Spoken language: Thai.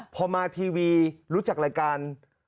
พอมาทีวีรู้จักรายการ